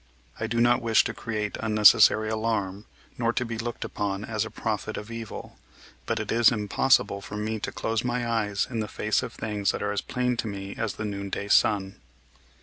I do not wish to create unnecessary alarm, nor to be looked upon as a prophet of evil, but it is impossible for me to close my eyes in the face of things that are as plain to me as the noonday sun."